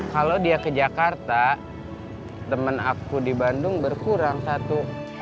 kalau dia ke jakarta temen aku di bandung berkurang satu